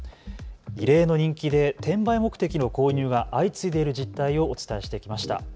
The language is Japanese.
異例の人気で転売目的の購入が相次いでいる実態をお伝えしてきました。